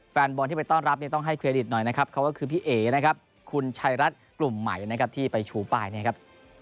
แฟนบอลที่ไปต้อนรับเนี่ยต้องให้เครดิตหน่อยนะครับเขาก็คือพี่เอ๋นะครับคุณชัยรัฐกลุ่มใหม่นะครับที่ไปชูป้ายเนี่ยครับ